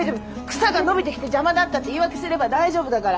草が伸びてきて邪魔だったって言い訳すれば大丈夫だから。